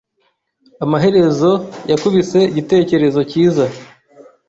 Amaherezo, yakubise igitekerezo cyiza.